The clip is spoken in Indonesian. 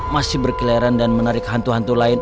masih berkeleran dan menarik hantu hantu lain